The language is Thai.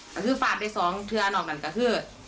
ก็คือฟาดได้๒เทือนออกกันก็คือ